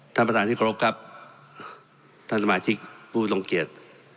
ท่านประธานที่เคารพครับท่านสมาชิกผู้ทรงเกียจ